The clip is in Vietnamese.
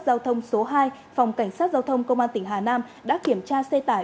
giao thông số hai phòng cảnh sát giao thông công an tỉnh hà nam đã kiểm tra xe tải